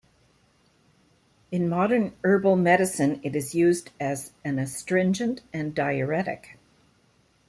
In modern herbal medicine it is used as an astringent and diuretic.